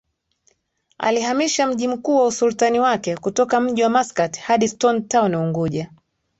alihamisha mji mkuu wa usultani wake kutoka mji wa Maskat hadi Stone Town Unguja